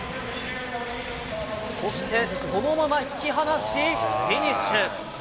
そしてそのまま引き離しフィニッシュ。